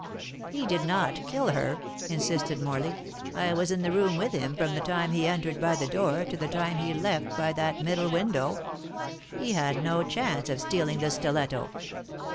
"He did not kill her," insisted Morley. "I was in the room with him from the time he entered by the door to the time he left by that middle window. He had no chance of stealing the stiletto.